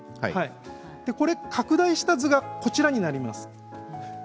これを拡大した図がこちらになります。